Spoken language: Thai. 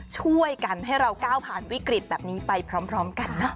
ช่วยกันให้เราก้าวผ่านวิกฤตแบบนี้ไปพร้อมกันนะ